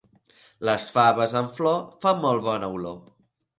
Les faves en flor fan molt bona olor.